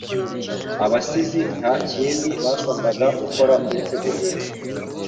Abasizi nta kindi basabwaga gukora uretse guhimba.